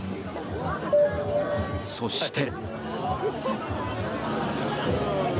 そして。